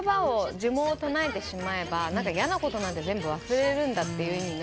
呪文を唱えてしまえば嫌なことなんて全部忘れるんだって意味の。